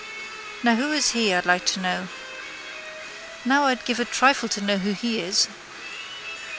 Now who is he I'd like to know? Now I'd give a trifle to know who he is.